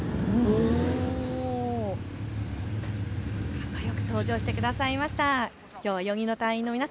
かっこよく登場してくださいました。